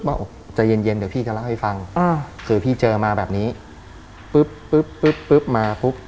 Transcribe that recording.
บอกใจเย็นเย็นเดี๋ยวพี่จะเล่าให้ฟังอ่าคือพี่เจอมาแบบนี้ปุ๊บปุ๊บปุ๊บปุ๊บปุ๊บมาปุ๊บ